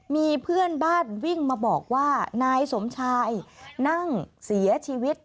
มีเพื่อนบ้านวิ่งมาบอกว่านายสมชายนั่งเสียชีวิต